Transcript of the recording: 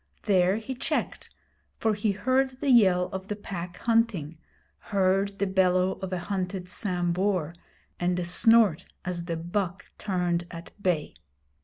There he checked, for he heard the yell of the Pack hunting, heard the bellow of a hunted Sambhur, and the snort as the buck turned at bay.